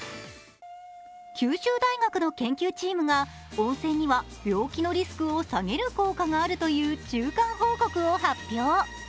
九州大学の研究チームが温泉には病気のリスクを下げる効果があるという中間報告を発表。